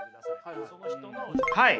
はい。